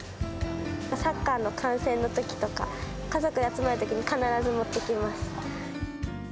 サッカーの観戦のときとか、家族で集まるときに必ず持っていきます。